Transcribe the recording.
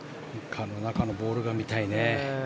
中のボールが見たいね。